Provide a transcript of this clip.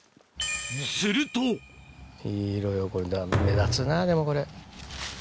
するといい色よこれだから目立つなでもこれ。